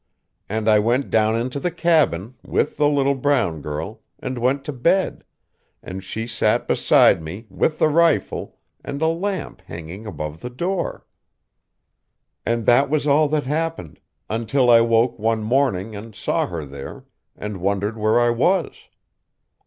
And I went down into the cabin, with the little brown girl, and went to bed; and she sat beside me, with the rifle, and a lamp hanging above the door.... "And that was all that happened, until I woke one morning and saw her there, and wondered where I was.